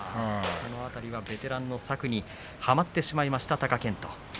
ベテランの策にはまってしまいました、貴健斗。